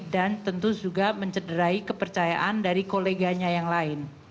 dan tentu juga mencederai kepercayaan dari koleganya yang lain